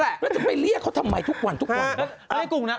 แล้วจะไปเรียกเขาทำไมทุกวันทุกวัน